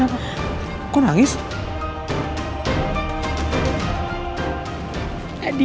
adi ya dari sini